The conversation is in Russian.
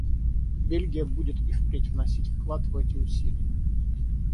Бельгия будет и впредь вносить вклад в эти усилия.